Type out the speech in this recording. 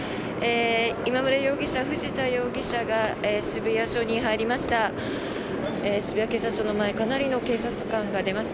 今村容疑者、藤田容疑者が渋谷署に入りました。